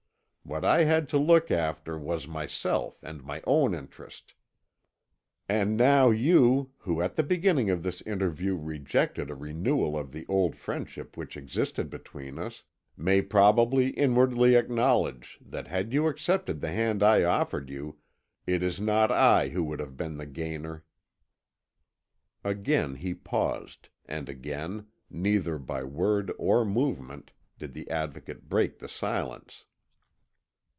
What I had to look after was myself and my own interest. And now you, who at the beginning of this interview rejected a renewal of the old friendship which existed between us, may probably inwardly acknowledge that had you accepted the hand I offered you, it is not I who would have been the gainer." Again he paused, and again, neither by word or movement, did the Advocate break the silence.